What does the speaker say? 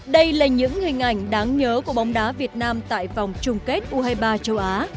đây là những hình ảnh đáng nhớ của bóng đá việt nam tại vòng chung kết u hai mươi ba châu á